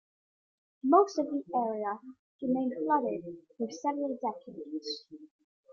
Most of the area remained flooded for several decades.